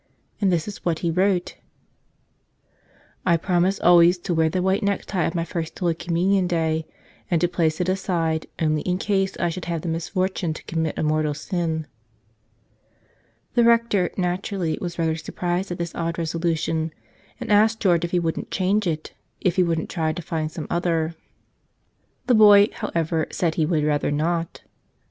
And this is what he wrote: "I promise always to wear the white necktie of my First Holy Communion day, and to place it aside only in case I should have the misfortune to commit a mortal sin." The Rector, naturally, was rather surprised at this odd resolution and asked George if he wouldn't change it, if he wouldn't try to find some other. The boy, however, said he would rather not.